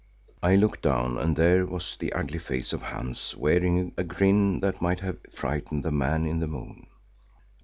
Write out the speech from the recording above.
I looked down and there was the ugly face of Hans wearing a grin that might have frightened the man in the moon.